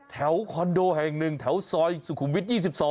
แถวคอนโดแห่งหนึ่งแถวซอยสุขุมวิทย์๒๒